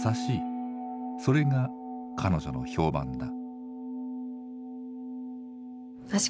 それが彼女の評判だ。